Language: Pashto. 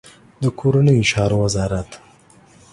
د کورنیو چارو وزارت